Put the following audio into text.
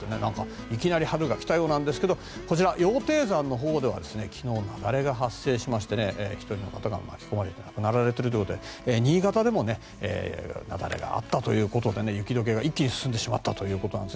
いきなり春が来たようですけど羊蹄山のほうでは昨日、雪崩が発生しまして１人の方が巻き込まれて亡くなっているということで新潟でも雪崩があったということで雪解けが一気に進んでしまったということなんです。